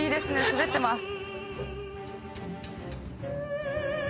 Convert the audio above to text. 滑ってます。